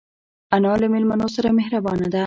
انا له مېلمنو سره مهربانه ده